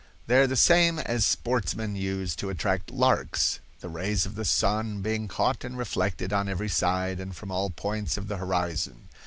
They are the same as sportsmen use to attract larks, the rays of the sun being caught and reflected on every side and from all points of the horizon.